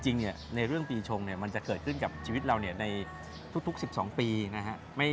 จริงในเรื่องปีชงมันจะเกิดขึ้นกับชีวิตเราในทุก๑๒ปีนะฮะ